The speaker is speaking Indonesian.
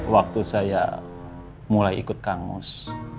waktu saya mulai ikut kangus